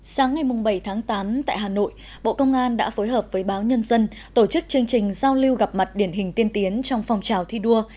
sáng ngày bảy tháng tám tại hà nội bộ công an đã phối hợp với báo nhân dân tổ chức chương trình giao lưu gặp mặt điển hình tiên tiến trong phòng trào thi đua